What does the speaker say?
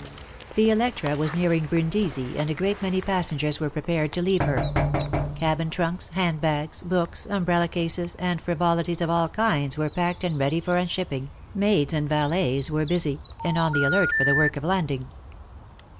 The Electra was nearing Brindisi, and a great many passengers were prepared to leave her; cabin trunks, handbags, books, umbrella cases, and frivolities of all kinds were packed and ready for unshipping, maids and valets were busy, and on the alert for the work of landing.